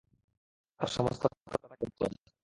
তার সমস্ত প্রজা তাকে আদর করে।